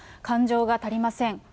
感情が足りません。